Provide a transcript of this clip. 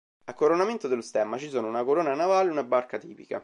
A coronamento dello stemma ci sono una corona navale e una barca tipica.